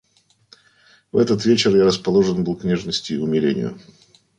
В этот вечер я расположен был к нежности и к умилению.